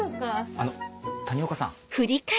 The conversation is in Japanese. あの谷岡さん。